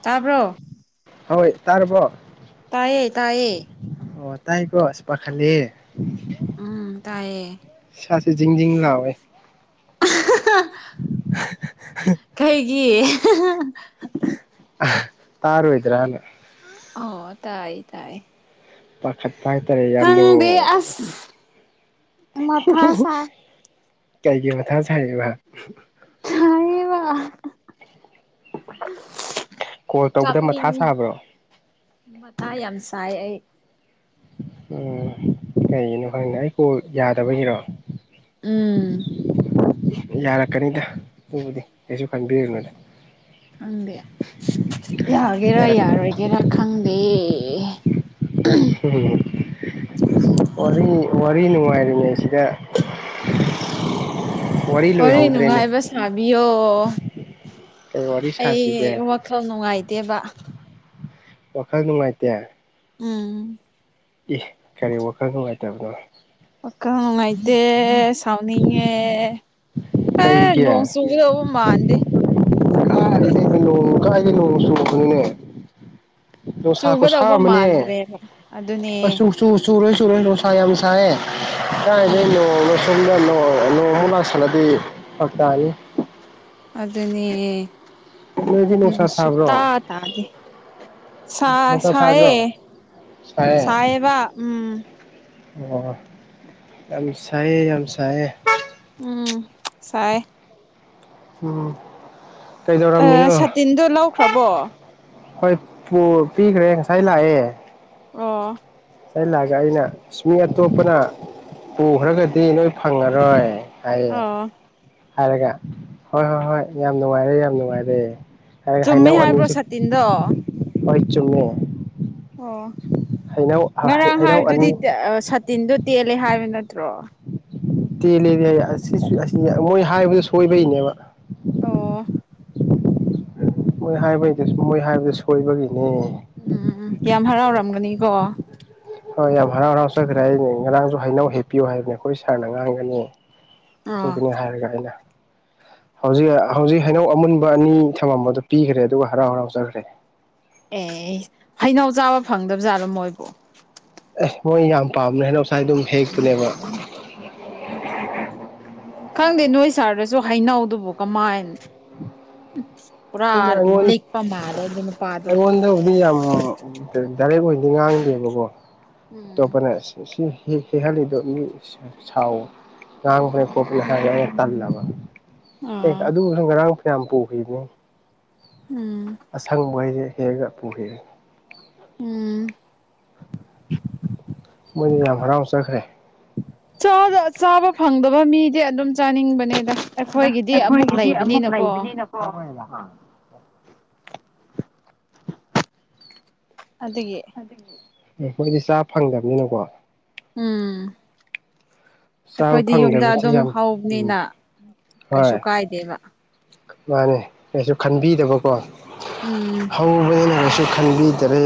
ꯇꯥꯕ꯭ꯔꯣ ꯍꯣꯏ ꯇꯔꯕꯣ ꯇꯥꯏꯌꯦ ꯇꯥꯏꯌꯦ ꯑꯣ ꯇꯥꯏꯀꯣ ꯄꯥꯈꯠꯂꯦ ꯎꯝ ꯇꯥꯏꯌꯦ ꯁꯥꯁꯦ ꯖꯤꯡꯖꯤꯡ ꯂꯥꯎꯋꯦ [inaudible] ꯀꯩꯒꯤ ꯇꯥꯔꯣꯏꯗ꯭ꯔꯥꯅ ꯑꯣ ꯇꯥꯏ ꯇꯥꯏ ꯄꯥꯈꯠꯄ ꯍꯥꯏꯇꯥꯔꯦ ꯌꯥꯝꯅ ꯈꯪꯗꯦ ꯑꯁ ꯃꯊꯥ ꯁꯥꯢ ꯀꯩꯒꯤ ꯃꯊꯥ ꯁꯥꯔꯤꯕ ꯁꯥꯢꯔꯤꯕ ꯀꯣꯜ ꯇꯧꯕꯗ ꯃꯊꯥ ꯀꯥꯞꯅꯤꯡꯉꯤ ꯁꯥꯕ꯭ꯔꯣ ꯃꯇꯥ ꯌꯥꯝ ꯁꯥꯏ ꯑꯩ ꯎꯝ ꯀꯔꯤꯒꯤꯅꯣ ꯈꯪꯗ ꯑꯩ ꯀꯣ ꯌꯥꯗꯕꯒꯤꯔꯣ ꯎꯝ ꯌꯥꯔꯛꯀꯅꯤꯗ ꯑꯗꯨꯕꯨꯗꯤ ꯀꯩꯁꯨ ꯈꯟꯕꯤꯔꯨꯅꯨꯗ ꯈꯪꯗꯦ ꯌꯥꯒꯦꯔ ꯌꯥꯔꯛ ꯌꯥꯔꯣꯢ ꯒꯦꯔꯥ ꯈꯪꯗꯦ ꯎ ꯋꯥꯔꯤ ꯋꯥꯔꯤ ꯅꯨꯡꯉꯥꯏꯔꯤꯉꯩꯁꯤꯗ ꯋꯥꯔꯤ ꯍꯣꯔꯦꯟ ꯂꯣꯏꯍꯧꯗ꯭ꯔꯦꯅꯦ ꯅꯨꯡꯉꯥꯏꯕ ꯁꯥꯕꯤꯌꯣ ꯀꯩ ꯋꯥꯔꯤ ꯑꯩ ꯁꯥꯁꯤꯒꯦ ꯈ ꯅꯨꯡꯉꯥꯏꯇꯦꯕ ꯋꯥꯈꯜ ꯅꯨꯡꯉꯥꯏꯇꯦ ꯎꯝ ꯏ ꯀꯔꯤ ꯋꯥꯈꯜ ꯅꯨꯡꯉꯥꯏꯇꯕꯅꯣ ꯋꯥꯈꯜ ꯅꯨꯡꯉꯥꯢꯑꯦ ꯁꯥꯎꯅꯤꯡꯉꯦ ꯀ ꯀꯩꯒꯤ ꯅꯣꯡ ꯆꯨꯒꯕ ꯃꯥꯟꯗꯦ ꯀꯔꯤꯅꯦ ꯅꯣꯡ ꯀꯥꯏꯗꯦ ꯅꯣꯡ ꯁꯨꯔꯛꯄꯅꯤꯅꯦ [inaudible] ꯅꯨꯡꯁꯥ ꯈꯨꯁꯥ ꯆꯨꯒꯗꯧꯕ ꯑꯃꯅꯤ ꯃꯥꯟꯗ꯭ꯔꯦꯕ ꯑꯗꯨꯅꯦ ꯆ ꯆꯨꯔ ꯆꯨꯔꯣꯏ ꯎꯝ ꯀꯥꯢꯗꯩ ꯅꯣꯡꯅꯣ ꯁꯣꯝꯗ ꯅꯣꯡꯃꯨꯛ ꯂꯥꯛꯁꯜꯂꯗꯤ ꯐꯔꯛ ꯇꯥꯅꯤ ꯑꯗꯨꯅꯦ ꯅꯣꯏꯗꯤ ꯎꯝ ꯅꯨꯡꯁꯥ ꯁꯥꯕ꯭ꯔꯣ ꯁꯨꯇꯥ ꯇꯥꯗꯦ ꯁꯥ ꯅꯨꯡꯁꯥ ꯁꯥꯕ꯭ꯔꯣ ꯁꯌꯦ ꯁꯥꯏꯌꯦ ꯁꯥꯌꯦꯕ ꯎꯝ ꯑꯣ ꯌꯥꯝ ꯁꯥꯏꯌꯦ ꯌꯥꯝ ꯁꯥꯏꯌꯦ ꯎꯝ ꯁꯥꯢ ꯎꯝ ꯑ ꯀꯩꯗꯧꯔꯝꯃꯤꯅꯣ ꯁꯥꯇꯤꯟꯗꯣ ꯂꯧꯈ꯭ꯔꯕꯣ ꯍꯣꯏ ꯄꯤꯈ꯭ꯔꯦ ꯉꯁꯥꯏ ꯂꯥꯛꯑꯦ ꯑꯣ ꯑꯩꯂꯥꯛꯑꯒ ꯑꯩꯅ ꯃꯤ ꯑꯇꯣꯞꯄꯅ ꯄꯨꯈ꯭ꯔꯒꯗꯤ ꯅꯣꯏ ꯐꯪꯉꯔꯣꯏ ꯍꯥꯏꯌꯦ ꯑꯣ ꯍꯥꯏꯔꯒ ꯍꯣꯏ ꯍꯣꯏ ꯍꯣꯏ ꯌꯥꯝ ꯅꯨꯡꯉꯥꯏꯔꯦ ꯌꯥꯝ ꯅꯨꯡꯉꯥꯏꯔꯦ ꯍꯥꯏ ꯆꯨꯝꯃꯦ ꯍꯥꯏꯩꯅꯧ ꯍꯥꯏꯕ꯭ꯔꯣ ꯑꯅꯤꯁꯨ ꯁꯥꯇꯤꯟꯗꯣ ꯍꯣꯏ ꯆꯨꯝꯃꯦ ꯑꯣ ꯍꯩꯅꯧ ꯉꯔꯥꯡ ꯍꯩꯅꯧ ꯑꯅꯤ ꯍꯥꯏꯕꯗꯨꯗꯤ ꯁꯇꯤꯟꯗꯣ ꯇꯦꯜꯂꯦ ꯍꯥꯏꯕ ꯅꯠꯇ꯭ꯔꯣ ꯇꯦꯜꯂꯤꯗꯤ ꯑꯁꯤꯁꯨ ꯑꯁꯤ ꯃꯣꯏ ꯍꯥꯏꯕꯗꯨ ꯁꯣꯏꯕꯩꯅꯦꯕ ꯑꯣ ꯃꯣꯏ ꯍꯥꯏꯕꯩꯗ ꯃꯣꯏ ꯍꯥꯏꯕꯗꯤ ꯁꯣꯏꯕꯒꯤꯅꯦ ꯎꯝ ꯌꯥꯝ ꯍꯔꯥꯎꯔꯝꯒꯅꯤꯀꯣ ꯍꯣꯏ ꯌꯥꯝ ꯍꯔꯥꯎ ꯍꯔꯥꯎꯖꯈ꯭ꯔꯦ ꯑꯩꯩꯅ ꯉꯔꯥꯡꯁꯨ ꯍꯩꯅꯧ ꯍꯦꯄꯤꯌꯨ ꯍꯥꯏꯕꯅꯦ ꯑꯩꯈꯣꯏ ꯁꯥꯔꯅ ꯉꯥꯡꯒꯅꯤ ꯑꯣ ꯑꯩꯈꯣꯏꯒꯤꯅꯤ ꯍꯥꯏꯔꯒ ꯑꯩꯅ ꯍꯧꯖꯤꯛ ꯍꯧꯖꯤꯛ ꯍꯩꯅꯧ ꯑꯃꯨꯟꯕ ꯑꯅꯤ ꯊꯝꯃꯝꯕꯗꯣ ꯄꯤꯈ꯭ꯔꯦ ꯑꯗꯨꯒ ꯍꯔꯥꯎ ꯍꯔꯥꯎ ꯖꯠꯈ꯭ꯔꯦ ꯑꯦ ꯍꯩꯅꯎ ꯆꯥꯕ ꯐꯪꯗꯕꯖꯥꯠꯂꯣ ꯃꯣꯏꯕꯨ ꯑꯦ ꯃꯣꯏ ꯌꯥꯝ ꯄꯥꯝꯅ ꯍꯩꯅ ꯉꯁꯥꯏ ꯑꯗꯨꯝ ꯍꯦꯛꯄꯅꯦꯕ ꯎꯝ ꯈꯪꯗꯦ ꯅꯣꯏ ꯁꯥꯔꯗꯁꯨ ꯍꯩꯅꯧꯗꯨꯕꯨ ꯀꯃꯥꯏꯅ ꯇꯔ ꯑꯩꯉꯣꯟ ꯂꯤꯄ ꯃꯥꯜꯂꯦ ꯑꯗꯨꯝ ꯅꯨꯄꯥ ꯑꯩꯉꯣꯟꯗꯕꯨꯗꯤ ꯌꯥꯝ ꯗꯥꯏꯔꯦꯛ ꯑꯣꯏꯗꯤ ꯉꯥꯡꯗꯦꯕꯀꯣ ꯎꯝ ꯑꯇꯣꯞꯄꯅ ꯁꯤ ꯍꯦꯛꯍꯜꯂꯤꯗꯕ ꯃꯤ ꯉꯈ ꯀꯣꯄꯤ ꯍꯥꯏ ꯇꯜꯂꯕ ꯑꯦ ꯑꯥ ꯑꯗꯨꯕꯨꯁꯨ ꯉꯔꯥꯡ ꯐꯌꯥꯝ ꯄꯨꯈꯤꯕꯅꯤ ꯎꯝ ꯑꯁꯪꯕꯍꯩꯁꯦ ꯍꯦꯛꯑꯒ ꯄꯨꯈꯤꯑꯦ ꯎꯝ ꯃꯣꯏꯅ ꯌꯥꯝ ꯍꯔꯥꯎ ꯆꯠꯈ꯭ꯔꯦ ꯆꯥꯕ ꯐꯪꯗꯕ ꯃꯤꯗꯤ ꯑꯗꯨꯝ ꯆꯥꯅꯤꯡꯕꯅꯦꯗ ꯑꯩꯈꯣꯏꯒꯤꯗꯤ ꯑꯃꯨꯛ ꯑꯩꯈꯣꯏꯒꯤꯗꯤ ꯑꯃꯨꯛ ꯂꯩꯕꯅꯤꯅꯀꯣ [inaudible] ꯑꯗꯨꯒꯤ ꯑꯩꯈꯣꯏꯗꯤ ꯆꯥ ꯐꯪꯗꯕꯅꯤꯅꯀꯣ ꯎꯝ ꯆꯥꯕ ꯑꯩꯈꯣꯏꯗꯤ ꯌꯨꯝꯗ ꯐꯪꯗꯕꯁꯤ ꯑꯗꯨꯝ ꯌꯥꯝ ꯎꯝ ꯍꯧꯕꯅꯤꯅ ꯀꯩꯁꯨ ꯍꯣꯏ ꯀꯥꯏꯗꯦꯕ ꯃꯥꯅꯦ ꯀꯩꯁꯨ ꯈꯟꯕꯤꯗꯕꯀꯣ ꯎꯝ ꯍꯧꯕꯦꯅ ꯀꯩꯁꯨ ꯈꯟꯕꯤꯗꯔꯦ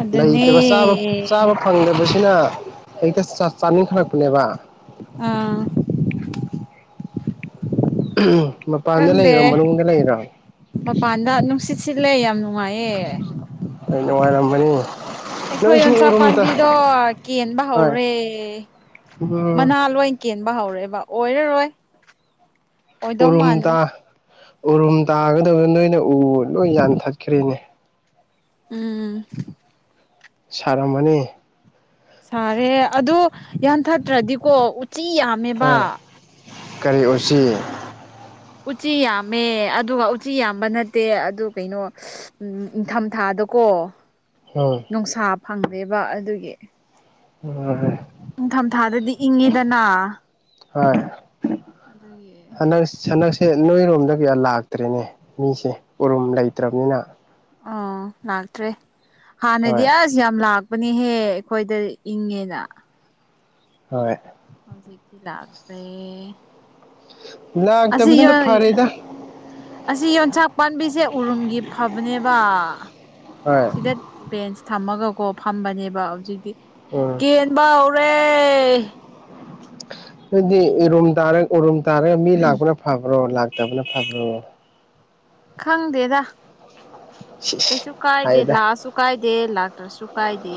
ꯑꯗꯨꯅꯦ ꯂꯩꯇꯕ ꯆꯥꯕ ꯐꯪꯗꯕꯁꯤꯅ ꯍꯛꯇ ꯆꯥꯅꯤꯡꯈꯠꯂꯛꯄꯅꯦꯕ ꯑꯥ ꯎꯝ ꯈꯪꯗꯦ ꯃꯄꯥꯟꯗ ꯅꯨꯡꯁꯤꯠ ꯁꯤꯠꯂꯦ ꯌꯥꯝ ꯅꯨꯡꯉꯥꯏꯌꯦ ꯑ ꯅꯨꯡꯉꯥꯏꯔꯝꯕꯅꯤ ꯑꯩꯈꯣꯏ ꯅꯣꯏꯁꯨ ꯌꯣꯟꯆꯥꯛ ꯎꯔꯨꯝꯗ ꯄꯥꯝꯕꯤꯗꯣ ꯀꯦꯟꯕ ꯍꯣꯏ ꯍꯧꯔꯦ ꯎꯝ ꯃꯅꯥ ꯂꯣꯏ ꯀꯦꯟꯕ ꯍꯧꯔꯛꯑꯦꯕ ꯑꯣꯏꯔꯔꯣꯏ ꯑꯣꯏꯗꯧ ꯎꯔꯨꯝ ꯃꯥꯟꯗ꯭ꯔꯦ ꯇꯥ ꯎꯔꯨꯝ ꯇꯥꯒꯗꯕꯗ ꯅꯣꯏꯅ ꯎ ꯂꯣꯏ ꯌꯥꯟꯊꯠꯈ꯭ꯔꯦꯅꯦ ꯎꯝ ꯁꯔꯝꯃꯅꯤ ꯁꯥꯔꯦ ꯑꯗꯣ ꯌꯥꯟꯊꯠꯇ꯭ꯔꯗꯤꯀꯣ ꯎꯆꯤ ꯌꯥꯝ ꯍꯣꯏ ꯀꯔꯤ ꯎꯁꯤ ꯎꯆꯤ ꯌꯥꯝꯃꯦ ꯑꯗꯨꯒ ꯎꯆꯤ ꯌꯥꯝꯕ ꯅꯠꯇꯦ ꯑꯗꯨ ꯀꯩꯅꯣ ꯎꯝ ꯅꯤꯡꯊꯝ ꯊꯥꯗꯀꯣ ꯍꯝ ꯅꯨꯡꯁꯥ ꯐꯪꯗꯦꯕ ꯑꯗꯨꯒꯤ ꯍꯣꯢ ꯅꯤꯡꯊꯝ ꯊꯥꯗꯗꯤ ꯏꯪꯉꯤꯗꯅ ꯍꯣꯏ ꯑꯗꯨꯒꯤ ꯍꯟꯗꯛ ꯍꯟꯗꯛꯁꯦ ꯅꯣꯏꯔꯣꯝꯗ ꯀꯌꯥ ꯂꯥꯛꯇ꯭ꯔꯤꯅꯦ ꯃꯤꯁꯦ ꯎꯔꯨꯝ ꯂꯩꯇ꯭ꯔꯕꯅꯤꯅ ꯑꯣ ꯂꯥꯛꯇꯔꯤ ꯍꯥꯅꯗꯤ ꯍꯣꯏ ꯑꯁ ꯁꯤ ꯌꯥꯝ ꯂꯥꯛꯄꯅꯦꯍꯦ ꯑꯩꯈꯣꯏꯗ ꯏꯪꯉꯦꯅ ꯍꯣꯏ ꯍꯧꯖꯤꯛꯇꯤ ꯂꯛꯇ꯭ꯔꯦ ꯑꯁꯤꯁ ꯂꯥꯛꯇꯕꯗꯨꯅ ꯌꯣ ꯐꯔꯦꯗ ꯑꯁꯤ ꯌꯣꯟꯁꯥꯛ ꯄꯥꯝꯕꯤꯁꯦ ꯎꯔꯨꯝꯒꯤ ꯐꯕꯅꯦꯕ ꯍꯣꯏ ꯁꯤꯗ ꯕꯦꯟꯁ ꯊꯝꯃꯒꯀꯣ ꯐꯝꯕꯅꯦꯕ ꯍꯧꯖꯤꯛꯇꯤ ꯎꯝ ꯀꯦꯟꯕ ꯍꯧꯔꯦ ꯑꯗꯨꯗꯤ ꯎꯔꯨꯝ ꯇꯔ ꯎꯔꯨꯝ ꯇꯥꯔꯒ ꯃꯤ ꯂꯥꯛꯄꯅ ꯐꯕ꯭ꯔꯣ ꯂꯥꯛꯇꯕꯅ ꯐꯕ꯭ꯔꯣ ꯈꯪꯗꯦꯗ ꯁꯤꯁ ꯑꯩꯁꯨ ꯀꯥꯏꯗꯦ ꯍꯥꯏꯗ ꯂꯥꯛꯑꯁꯨ ꯀꯥꯏꯗꯦ ꯂꯥꯛꯇ꯭ꯔꯁꯨ ꯀꯥꯏꯗꯦ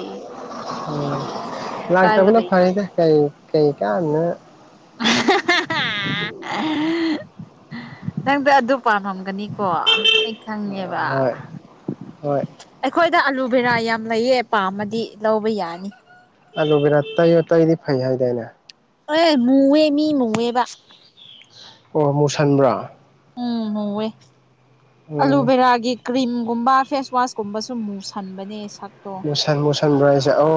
ꯎꯝ ꯀꯩꯁꯨ ꯀꯥꯏꯕ ꯂꯩꯗꯦ ꯀꯩ ꯀꯩ ꯌꯥꯝꯅ [inaudible] ꯅꯪꯗꯣ ꯑꯗꯨ ꯄꯥꯝꯂꯝꯝꯒꯅꯤꯀꯣ ꯈꯪꯉꯦꯕ ꯍꯣꯏ ꯍꯣꯏ ꯑꯩꯈꯣꯏꯗ ꯑꯂꯨꯚꯦꯔꯥ ꯌꯥꯝ ꯂꯩꯌꯦ ꯄꯥꯝꯃꯗꯤ ꯂꯧꯕ ꯌꯥꯅꯤ ꯑꯗꯨ ꯕꯤꯔꯥ ꯇꯩꯌꯣ ꯇꯩꯗꯤ ꯐꯩ ꯍꯥꯏꯗꯅꯦ ꯑꯦ ꯃꯑꯣꯋꯦꯃꯤ ꯃꯤ ꯃꯑꯣꯋꯦꯕ ꯑꯣ ꯃꯨꯁꯟꯕ꯭ꯔꯥ ꯎꯝ ꯍꯋꯦ ꯎꯝ ꯑꯂꯨꯕꯦꯔꯥꯒꯤ ꯀ꯭ꯔꯤꯝꯒꯨꯝꯕ ꯐꯦꯁꯋꯥꯁꯀꯨꯝꯕꯁꯨ ꯃꯨꯁꯟꯕꯅꯦ ꯁꯛ ꯃꯨꯁꯥꯟ ꯃꯨꯁꯟ ꯔꯥꯏꯁꯦ ꯑ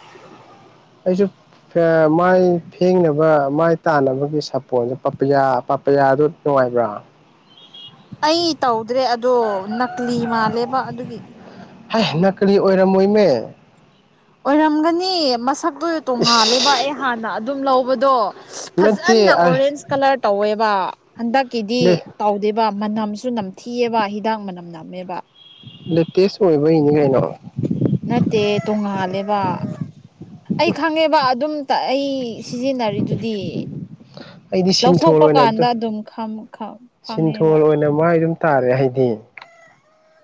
[unintelligible] ꯑꯩꯁꯨ ꯃꯥꯏ ꯐꯦꯡꯅꯕ ꯃꯥꯏ ꯇꯥꯟꯅꯕꯒꯤ ꯁꯥꯄꯣꯟꯁꯦ ꯄꯄꯌꯥ ꯄꯄꯌꯥꯗꯨ ꯅꯨꯡꯉꯥꯏꯕ꯭ꯔꯥ ꯑꯩ ꯇꯧꯗ꯭ꯔꯦ ꯑꯗꯣ ꯅꯛꯂꯤ ꯃꯥꯜꯂꯦꯕ ꯑꯗꯨꯒꯤ ꯍ ꯅꯅꯥꯀꯂꯤ ꯑꯣꯏꯔꯝꯃꯣꯏꯃꯦ ꯑꯣꯏꯔꯝꯒꯅꯤ ꯃꯁꯛꯇꯨ ꯇꯣꯡꯉꯥꯜꯂꯦꯕ ꯑꯦ ꯏꯁ ꯍꯥꯟꯅ ꯑꯗꯨꯝ ꯂꯧꯕꯗꯣ ꯅꯠꯇꯦ ꯐꯖꯅ ꯑꯣꯔꯦꯟꯁ ꯀꯂꯔ ꯇꯧꯋꯦꯕ ꯍꯟꯗꯛꯀꯤꯗꯤꯥ ꯑꯗꯨꯕ ꯃꯅꯝꯁꯨ ꯅꯝꯊꯤꯑꯕ ꯍꯤꯗꯥꯛ ꯃꯅꯝ ꯅꯝꯃꯦꯕ ꯂꯦꯇꯦꯁ ꯑꫭꯏꯕꯒꯤꯅꯤ ꯀꯩꯅꫭ ꯅꯠꯇꯦ ꯇꯣꯡꯉꯥꯜꯂꯦꯕ ꯑꯩ ꯈꯪꯉꯦꯕ ꯑꯗꯨꯝ ꯑꯩ ꯁꯤꯖꯤꯟꯅꯔꯤꯗꯨꯗꯤ ꯑꯩꯗꯤ ꯁꯤꯟꯊꯣ ꯂꯧꯊꯣꯛꯄ ꯑꯣꯏꯅ ꯑꯗꯨ ꯀꯥꯟꯗ ꯑꯗꯨꯝ ꯁꯤꯟꯊꯣ ꯐꯪꯉꯦꯕ ꯑꯣꯏꯅ ꯃꯥꯥꯏ ꯑꯗꯨꯝ ꯇꯥꯔꯦ ꯍꯥꯏꯗꯤ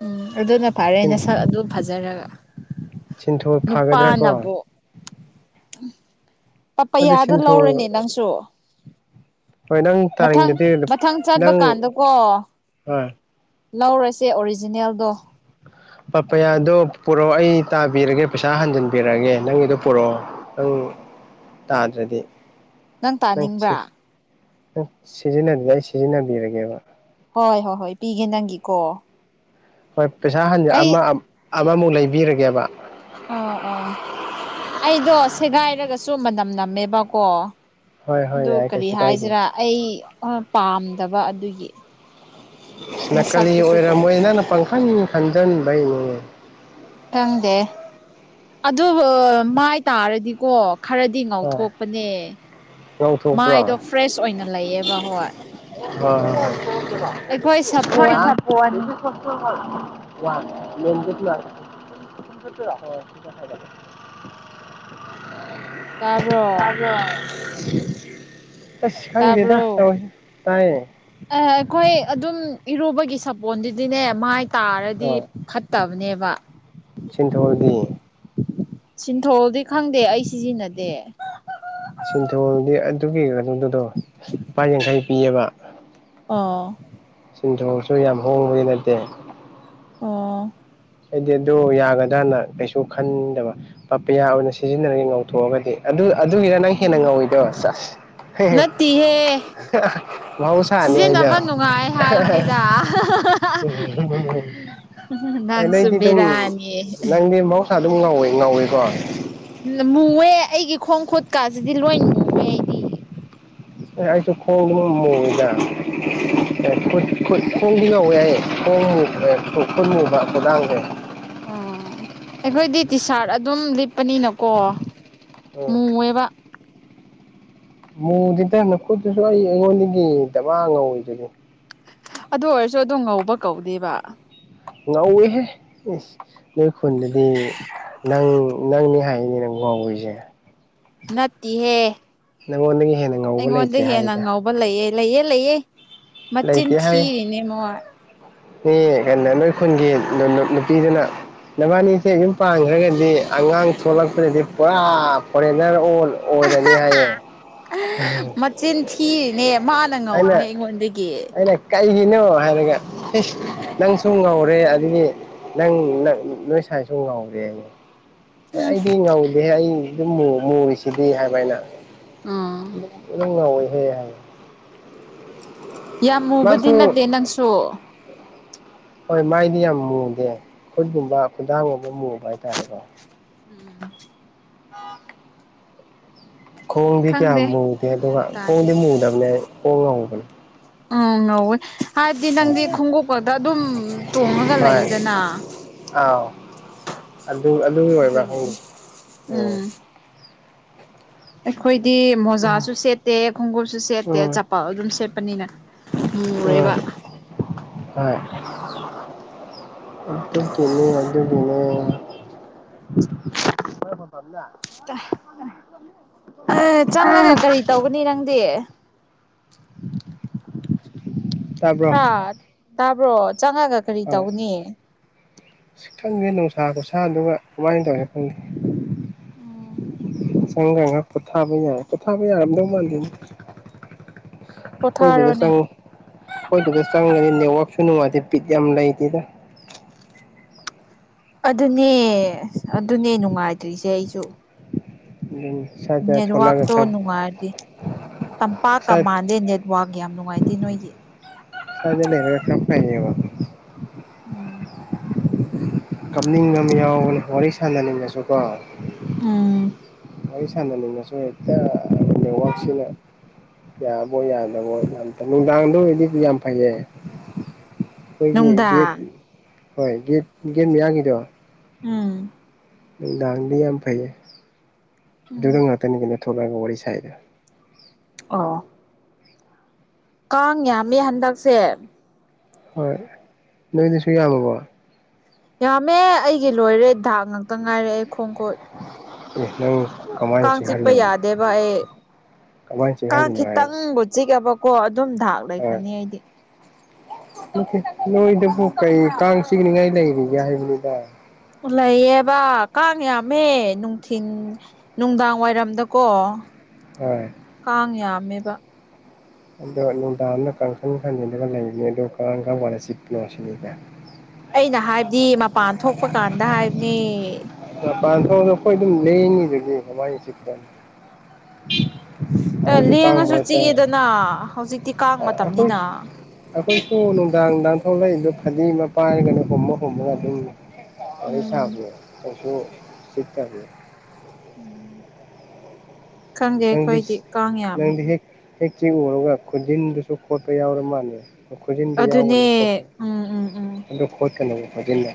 ꯎꯝ ꯑꯗꯨꯅ ꯐꯔꯦ ꯅ ꯁꯛ ꯑꯗꯨꯝ ꯐꯖꯔꯒ ꯁꯤꯟꯊꯣꯜ ꯐꯒꯗ꯭ꯔꯥꯀꯣ ꯅꯨꯄꯥꯅꯕꯨꯣ ꯑꯗꯨ ꯄꯄꯌꯥꯗ ꯁꯤꯟꯊꯣꯜ ꯂꯧꯔꯅꯤ ꯅꯪꯁꯨ ꯍꯣꯏ ꯅꯪ ꯃꯊꯪ ꯇꯥꯅꯤꯡꯗꯗꯤ ꯃꯊꯪ ꯆꯠꯄ ꯅꯪ ꯀꯥꯟꯗꯀꯣ ꯍꯣꯏ ꯂꯧꯔꯁꯦ ꯑꯣꯔꯤꯖꯤꯅꯦꯜꯗꯣ ꯄ ꯄꯌꯥꯗꯣ ꯄꯨꯔꯛꯑꯣ ꯑꯩ ꯇꯥꯕꯤꯔꯒꯦ ꯄꯩꯁꯥ ꯍꯟꯖꯤꯟꯕꯤꯔꯛꯑꯒꯦ ꯅꯪꯒꯤꯗꯣ ꯄꯨꯔꯛꯑꯣ ꯅꯪ ꯇꯥꯗ꯭ꯔꯗꯤ ꯅꯪ ꯇꯥꯅꯤꯡꯕ꯭ꯔꯥ ꯁꯤꯖꯤꯟꯅ ꯑꯩ ꯁꯤꯖꯤꯟꯅꯕꯤꯔꯒꯦꯕ ꯍꯣꯏ ꯍꯣꯏ ꯍꯣꯏ ꯄꯤꯒꯦ ꯅꯪꯒꯤꯀꯣ ꯍꯣꯏ ꯄꯩꯁꯥ ꯍꯟꯁꯦ ꯑꯩ ꯑꯃ ꯑꯃꯃꯨꯛ ꯂꯩꯕꯤꯔꯒꯦꯕ ꯑꯣ ꯑꯣ ꯑꯩꯗꯣ ꯁꯦꯒꯥꯏꯔꯒꯁꯨ ꯃꯅꯝ ꯅꯝꯃꯦꯕꯀꯣ ꯍꯣꯏ ꯍꯣꯏ ꯑꯗꯨ ꯌꯥꯏ ꯀꯔꯤ ꯀꯩꯁꯨ ꯀꯥꯏꯗꯦ ꯍꯥꯏꯁꯤꯔꯥ ꯑꯩ ꯄꯥꯝꯗꯕ ꯑꯗꯨꯒꯤ ꯅꯥꯀꯂꯤ ꯃꯁꯛꯇꯨꯁꯨ ꯑꯣꯏꯔꯝꯃꯣꯏ ꯅꯪꯅ ꯇꯣꯡꯉꯥꯜꯂꯦ ꯄꯥꯡꯈꯟ ꯈꯟꯖꯤꯟꯕꯩꯅꯦ ꯈꯪꯗꯦ ꯑꯗꯨ ꯃꯥꯏ ꯇꯥꯔꯗꯤꯀꯣ ꯈꯔꯗꯤ ꯍꯣꯏ ꯉꯥꯎꯊꯣꯛꯄꯅꯦ ꯉꯧꯊꯣꯛꯄ꯭ꯔꯣ ꯃꯥꯏꯗꯣ ꯐ꯭ꯔꯦꯁ ꯑꯣꯏꯅ ꯂꯩꯌꯦꯕ ꯍꯣꯏ ꯍ ꯑꯩꯈꯣꯏ ꯍꯣꯏ ꯁꯥꯄꯣꯟ ꯊꯄꯅꯤ [inaudible] [inaudible] ꯇꯥꯕ꯭ꯔꯣ ꯆ ꯑꯁ ꯈꯥꯟꯒꯦꯗ ꯇꯥꯕ꯭ꯔꯣ ꯌꯥꯎ ꯇꯏꯌꯦ [inaudible] ꯑꯩꯈꯣꯏ ꯑꯗꯨꯝ ꯏꯔꯨꯕꯒꯤ ꯁꯥꯄꯣꯟꯗꯨꯗꯤꯅꯦ ꯃꯥꯏ ꯇꯥꯔꯗꯤ ꯐꯠꯇꯕꯅꯦꯕ ꯁꯤꯟꯊꫭꯜꯗꯤ ꯁꯤꯟꯊꯣꯜꯗꯤ ꯈꯪꯗꯦ ꯑꯩ ꯁꯤꯖꯤꯟꯅꯗꯦ ꯁꯤꯟꯊꯣꯜꯗꯤ ꯑꯗꯨꯒꯤ ꯀꯩꯅꯣꯗꯨꯗꯣ ꯂꯨꯄꯥ ꯌꯥꯡꯈꯩ ꯄꯤꯌꯦꯕ ꯑꯣ ꯁꯤꯟꯊꯣꯜꯁꯨ ꯌꯥꯝ ꯍꯣꯡꯕꯗꯤ ꯅꯠꯇꯦ ꯑꯣ ꯑꯩꯗꯤ ꯑꯗꯨ ꯌꯥꯒꯗ꯭ꯔꯥꯅ ꯀꯩꯁꯨ ꯈꯟꯗꯕ ꯄꯄꯌꯥ ꯑꯣꯏꯅ ꯁꯤꯖꯤꯟꯅꯔꯒꯦ ꯉꯧꯊꯣꯛꯑꯒꯗꯤ ꯑꯗꯨ ꯑꯗꯨꯒꯤꯅ ꯅꯪ ꯍꯦꯟꯅ ꯎꯝ ꯉꯧꯋꯤꯗꯣ ꯅꯠꯇꯦꯍꯦ ꯃꯍꯧ ꯁꯅꯤ ꯍꯥꯏ ꯏꯗ ꯁꯤꯖꯤꯟꯅꯕ [inaudible] ꯅꯨꯡꯉꯥꯏ ꯍꯥꯏꯕꯅꯤꯗ ꯍꯣꯢ ꯅꯪꯁꯨ ꯅꯪꯗꯤ ꯕꯦꯔꯥꯅꯤ ꯑꯗꯨꯝ ꯃꯍꯧꯁꯥ ꯑꯗꯨꯝ ꯉꯥꯎꯋꯦ ꯉꯥꯎꯋꯦꯀꯣ ꯃꯨꯑꯦ ꯑꯩꯒꯤ ꯈꯣꯡ ꯈꯨꯠꯀꯥꯁꯤꯗꯤ ꯂꯣꯏ ꯃꯨꯋꯦ ꯑꯩꯗꯤ ꯑꯩꯁꯨ ꯈꯣꯡ ꯃꯨꯑꯦꯏꯗ ꯈꯨꯠ ꯈꫭꯡꯗꯤ ꯉꯥꯎꯑꯦ ꯑꯩ ꯈꫭꯡ ꯈꯨꯠ ꯃꯨꯕ ꯈꯨꯗꯥꯡꯁꯦ ꯑꯣ ꯑꯩꯈꯣꯏꯗꯤ ꯇꯤ ꯁꯥꯔꯠ ꯑꯗꯨꯝ ꯂꯤꯞꯄꯅꯤꯅꯀꯣ ꯎꯝ ꯃꯨ ꯑꯦꯕ ꯃꯨꯗꯤꯗ ꯅꯈꯨꯠꯇꯨꯁꯨ ꯑꯩ ꯑꯩꯉꯣꯟꯗꯒꯤ ꯗꯃꯥ ꯉꯧꯔꯤꯗꯨꯗꯤ ꯑꯗꯨ ꯑꯣꯏꯔꯁꯨ ꯑꯗꯨꯝ ꯉꯧꯕ ꯀꯧꯗꯦꯕ ꯉꯧꯋꯦꯍꯦ ꯏꯁ ꯅꯣꯏ ꯈꯨꯟꯗꯗꯤ ꯅꯪ ꯅꯪꯅꯤ ꯍꯥꯏꯅꯤ ꯅꯪ ꯋꯥꯏꯁꯦ ꯅꯠꯇꯤꯍꯦ ꯅꯉꯣꯟꯗꯒꯤ ꯍꯦꯟꯅ ꯉꯧꯕ ꯂꯩꯇ꯭ꯔꯦ ꯍꯥꯏꯗ ꯂꯩꯌꯦꯦ ꯂꯩꯑꯦ ꯂꯩꯌꯦꯦ ꯃꯆꯤꯟ ꯊꯤꯔꯤꯅꯦ ꯃꯣꯢ ꯏ ꯀꯩꯅꯣ ꯅꯣꯏ ꯈꯨꯟꯒꯤ ꯅꯨꯄꯤꯗꯨꯅ ꯅꯕꯥꯅꯤꯁꯦ ꯌꯨꯝ ꯄꯥꯡꯈ꯭ꯔꯒꯗꯤ ꯑꯉꯥꯡ ꯊꯣꯛꯂꯛꯄꯗꯗꯤ ꯄꯨꯔꯥ ꯐꯣꯔꯦꯟꯅꯔ ꯑꯣꯜ ꯑꯣꯏꯔꯅꯤ ꯍꯥꯏꯌꯦ ꯃꯆꯤꯟ ꯊꯤꯔꯤꯅꯦ ꯃꯥꯅ ꯉꯧꯕꯅꯦ ꯑꯩꯅ ꯑꯩꯉꯣꯟꯗꯒꯤ ꯑꯩꯅ ꯀꯩꯒꯤꯅꯣ ꯍꯥꯏꯔꯒ ꯅꯪꯁꯨꯨꯝ ꯉꯧꯔꯦ ꯑꯗꯨꯗꯤ ꯅꯪ ꯅꯣꯏ ꯁꯥꯏꯁꯨ ꯉꯥꯎꯗꯦꯅꯦ ꯑꯦ ꯎꯝ ꯑꯩꯗꯤ ꯉꯧꯗꯦꯍꯦ ꯑꯩ ꯑꯗꯨꯝ ꯃꯨꯔꯤꯁꯤꯗꯤ ꯍꯥꯏꯕ ꯑꯩꯅ ꯑ ꯑꯗꯨꯝ ꯉꯧꯋꯤꯍꯦ ꯍꯥꯏ ꯌꯥꯝ ꯃꯨꯕꯗꯤ ꯃꯥꯁꯨ ꯅꯠꯇꯦ ꯅꯪꯁꯨ ꯍꯣꯏ ꯃꯥꯏꯗꯤ ꯌꯥꯝ ꯃꯨꯗꯦ ꯈꯨꯠꯒꯨꯝꯕ ꯈꯨꯟꯗꯥꯡꯒꯨꯝꯕ ꯃꯨꯕ ꯍꯥꯏꯇꯥꯔꯦꯀꯣ ꯎꯝ [inaudible] INAUDIBLE [inaudible] ꯈꯣꯡꯗꯤ ꯀꯌꯥꯝ ꯈꯪꯗꯦ ꯃꯨꯗꯦ ꯒ꯭ꯌꯥꯟ ꯑꯗꯨꯒ ꯇꯥꯗꯦ ꯈꯣꯡꯗꯤ ꯃꯨꯗꯕꯅꯦ ꯈꯣꯡ ꯉꯧꯕꯅꯦ ꯎꯝ ꯉꯣꯏ ꯍꯥꯏꯕꯗꯤ ꯅꯪꯗꯤ ꯈꯣꯡꯎꯞꯄꯗ ꯑꯗꯨꯝ ꯇꯣꯡꯉꯒ ꯍꯣꯏ ꯂꯩꯗꯅ ꯑꯥꯎ ꯑꯗꯨ ꯑꯗꯨꯝ ꯑꯣꯏꯕ ꯍꯧ ꯑꯗꯨꯒꯤꯅꯤ ꯑꯣ ꯎꯝ ꯑꯩꯈꯣꯏꯗꯤ ꯃꯣꯖꯥꯁꯨ ꯁꯦꯠꯇꯦ ꯈꯣꯡꯎꯞꯁꯨ ꯁꯦꯠꯇꯦ ꯎꯝ ꯆꯄꯜ ꯑꯗꯨꯝ ꯁꯦꯠꯄꯅꯤꯅ ꯎꯝ ꯃꯨꯔꯦꯕ ꯍꯣꯢ ꯑꯝ ꯍꯣꯢ ꯑꯗꯨꯒꯤꯅꯤ ꯔ [inaudible] ꯆꯪꯉꯒ ꯀꯔꯤ ꯇꯧꯒꯅꯤ ꯅꯪꯗꯤ [unintelligible] ꯇꯥꯕ꯭ꯔꯣ ꯍꯥ ꯇꯥꯕ꯭ꯔꯣ ꯆꯪꯉꯛꯒ ꯀꯔꯤ ꯇꯧꯅꯤ ꯁꯤꯤꯊꯪꯒꯤꯦ ꯅꯨꯡꯁꯥ ꯈꯨꯠꯁꯥꯗꯨ ꯀꯃꯥꯏꯅ ꯇꯧꯏꯦ ꯈꯪꯗꯦ ꯎꯝ ꯆꯪꯒꯒ ꯄꯣꯊꯥꯕ ꯌꯥꯏ ꯄꯣꯊꯥꯕ ꯌꯥꯔꯝꯗꯧ ꯃꯥꯜꯗꯦꯗ ꯑꯩꯈꯣꯏꯗꯨꯗ ꯄꯣꯊꯥꯔꯣꯅꯦ ꯆꯪ ꯑꯩꯈꯣꯏꯗꯨꯗ ꯆꯪꯒꯅꯤ ꯅꯦꯠꯋꯥꯛꯁꯨ ꯅꯨꯡꯉꯥꯏꯇꯦ ꯄꯤꯠ ꯌꯥꯝ ꯂꯩꯇꯦꯗ ꯑꯗꯨꯅꯦ ꯑꯗꯨꯅꯦ ꯅꯨꯡꯉꯥꯏꯇ꯭ꯔꯤꯁꯦ ꯑꯩꯁꯨ ꯎꯝ ꯅꯦꯠꯋꯥꯛꯇꯣ ꯅꯨꯡꯉꯥꯏꯔꯗꯦ ꯇꯝꯄꯥꯛ ꯀ ꯁ꯭ꯋꯥꯏ ꯃꯥꯟꯗꯦ ꯋꯥꯒ ꯌꯥꯝ ꯅꯨꯡꯉꯥꯏꯇꯦ ꯅꯣꯏꯒꯤ ꯁ ꯂꯩꯩꯅ ꯀ ꯐꯩꯅꯣ [inaudible] ꯎꯝ ꯀꯞꯅꯤꯡꯉ ꯌꯥꯎꯒꯅꯤ ꯋꯥꯔꯤ ꯁꯥꯟꯅꯅꯤꯡꯉꯁꯨ ꯀꯣ ꯎꯥ ꯋꯥꯔꯤ ꯁꯥꯟꯅꯅꯤꯡꯅꯁꯨ ꯍꯦꯛꯇ ꯅꯦꯠꯋꯥꯛꯁꯤꯅ ꯌꯥꯕꯣ ꯌꯥꯗꯕꯣ ꯌꯥꯝꯗ ꯅꯨꯡꯗꯥꯡꯗꯣ ꯑꯣꯏꯗꯤꯗꯤ ꯌꯥꯝ ꯐꯩꯌꯦ ꯑꯩꯈꯣꯏꯒꯤ ꯗꯦꯠ ꯅꯨꯡꯗꯥꯡ ꯍꯣꯏ ꯗꯦꯠ ꯗꯦꯠ ꯃꯌꯥꯒꯤꯗꯣ ꯎꯝ ꯅꯨꯡꯗꯥꯡꯗꯤ ꯌꯥꯝ ꯐꯩꯌꯦ ꯑꯗꯨꯗ ꯉꯥꯛꯇꯅꯤ ꯀꯩꯅ ꯊꯣꯛꯂꯛꯑꯒ ꯋꯥꯔꯤ ꯁꯥꯏꯗ ꯑꯣ ꯀꯥꯡ ꯌꯥꯝꯃꯤ ꯍꯟꯗꯛꯁꯦ ꯍꯣꯏ ꯅꯨꯃꯤꯗꯨꯁꯨ ꯌꯥꯝꯃꯕꯣ ꯌꯥꯝꯃꯦ ꯑꯩꯒꯤ ꯂꯣꯏꯔꯦ ꯗꯥꯛ ꯉꯥꯛꯇ ꯉꯥꯏꯔꯛꯑꯦ ꯈꯣꯡ ꯈꯨꯠ ꯈꯣꯡ ꯈꯨꯠ ꯀꯥꯡ ꯆꯤꯛꯄ ꯌꯥꯗꯦꯕ ꯑꯩ ꯀꯃꯥꯏꯅ ꯀꯥꯡ ꯆꯤꯛꯍꯜꯂꯤꯅꯣ ꯍꯥꯏꯔꯒ ꯈꯤꯇꯪꯕꯨ ꯆꯤꯛꯑꯕ ꯀꯣ ꯑꯗꯨꯝ ꯊꯥ ꯍꯣꯏ ꯅꯣꯏꯗꯕꯨ ꯀꯩ ꯀꯁꯤꯒꯅꯤꯉ ꯂꯩꯔꯤꯒ ꯍꯥꯏꯕꯅꯤꯗ ꯂꯩꯌꯦꯕ ꯀꯥꯡ ꯌꯥꯝꯃꯦ ꯅꯨꯡꯊꯤꯟ ꯅꯨꯡꯗꯥꯡ ꯋꯥꯏꯔꯝꯗꯀꯣ ꯍꯣꯏ ꯀꯥꯡ ꯌꯥꯝꯃꯦꯕ ꯑꯗꯣ ꯅꯨꯡꯗꯥꯡꯝꯅ ꯀꯥꯡꯈꯪ ꯈꯟꯅꯤꯂꯒ ꯂꯩꯕꯅꯦ ꯑꯗꯣ ꯀꯥꯡꯈ ꯋꯥ ꯆꯤꯅꯣ ꯁꯤꯅꯤꯗ ꯑꯩꯅ ꯍꯥꯏꯕꯗꯤ ꯃꯄꯥꯟ ꯊꯣꯛꯄ ꯀꯥꯟꯗ ꯍꯥꯏꯕꯅꯤ ꯄꯥꯟꯊꯣꯗ ꯑꯩꯈꯣꯏ ꯑꯗꯨꯝ ꯂꯩꯅꯤꯗꯨꯒ ꯃꯃꯥꯏ ꯆ ꯂꯦꯡꯉꯁꯨ ꯆꯤꯛꯑꯦꯗꯅ ꯍꯧꯖꯤꯛꯇꯤ ꯀꯥꯡ ꯑꯩꯈꯣꯏ ꯃꯇꯝꯅꯤꯅ ꯑꯩꯈꯣꯏꯁꯨ ꯅꯨꯡꯗꯥꯡ ꯅꯨꯡꯗꯥꯡ ꯊꯣꯛꯂꯛꯏꯗꯣ ꯐꯗꯤꯃ ꯄꯥꯏꯔꯒꯅ ꯍꯣꯃ ꯍꯣꯃꯒ ꯑꯗꯨꯝ ꯎꯝ ꯄꯔꯤꯁꯥꯕꯨꯁꯨ ꯆ [inaudible] ꯎꯝ ꯈꯪꯗꯦ ꯑꯩꯈꯣꯏꯗꯤ ꯀꯥꯡ ꯌꯥꯝꯃꯤ ꯍꯛꯇꯦꯛ ꯎꯔꯒ ꯈꯨꯖꯤꯟꯗꯨꯁꯨ ꯈꯣꯠꯄ ꯌꯥꯎꯔ ꯃꯥꯜꯂꯦ ꯈꯨꯖꯤꯟꯗꯨ ꯑꯗꯨꯅꯦ ꯌꯥꯎꯒꯅꯨ ꯈꯣꯠꯇꯣ ꯎꯝ ꯎꯝ ꯎꯝ ꯑꯗꯨ ꯈꯣꯠꯀꯅꯨꯕ ꯈꯨꯖꯤꯟꯅ